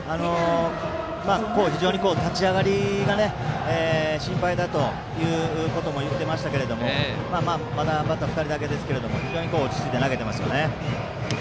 非常に立ち上がりが心配だと言っていましたけどまだバッター２人だけですが非常に落ち着いて投げていますね。